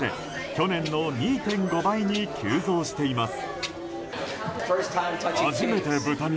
去年の２．５倍に急増しています。